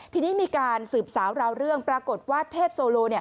ทีนี้มีการสืบสาวราวเรื่องปรากฏว่าเทพโซโล